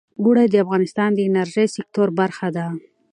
اوړي د افغانستان د انرژۍ سکتور برخه ده.